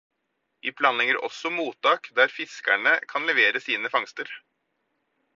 Vi planlegger også mottak der fiskerne kan levere sine fangster.